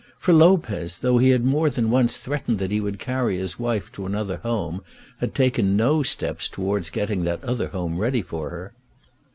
For Lopez, though he had more than once threatened that he would carry his wife to another home, had taken no steps towards getting that other home ready for her.